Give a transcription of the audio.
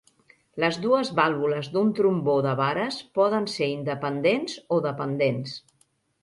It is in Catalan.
Les dues vàlvules d'un trombó de vares poden ser independents o dependents.